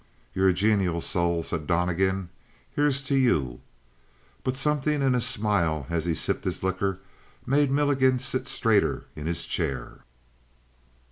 "You're a genial soul," said Donnegan. "Here's to you!" But something in his smile as he sipped his liquor made Milligan sit straighter in his chair.